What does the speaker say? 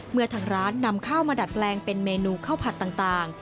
เมื่อทางร้านนำข้าวมาดัดแปลงเป็นเมนูข้าวผัดต่าง